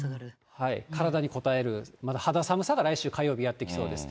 体にこたえる肌寒さが来週火曜日、やって来そうです。